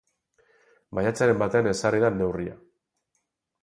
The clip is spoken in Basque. Maiatzaren batean ezarri da neurria.